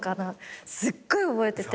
すっごい覚えてて。